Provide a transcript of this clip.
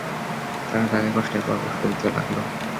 তারা তাকে কষ্টের পর কষ্ট দিতে লাগল।